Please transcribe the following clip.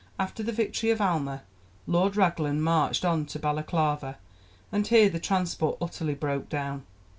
After the victory of Alma Lord Raglan marched on to Balaclava, and here the transport utterly broke down.